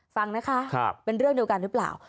ฟังนะคะเป็นเรื่องเดียวกันหรือเปล่า